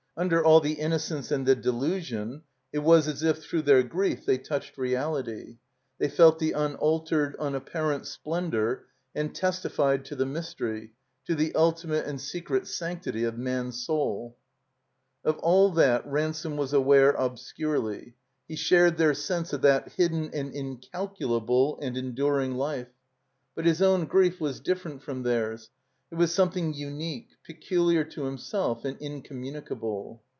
Under all the innocence and the delusion it was as if, through their grief, they touched reality, they felt the tmaltered, imapparent splendor, and testified to the mystery, to the ultimate and secret sanctity of man's soul. Of all that Ransome was aware obscurely, he shared their sense of that hidden and incalculable 339 // THE COMBINED MAZE and enduring life. But his own grief was different from theirs. It was something tmique, peculiar to himself and incommunicable.